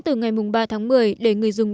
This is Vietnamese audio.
từ ngày ba tháng một mươi để người dùng